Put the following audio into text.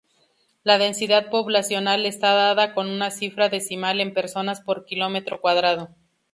La densidad poblacional está dada con una cifra decimal en personas por kilómetro cuadrado.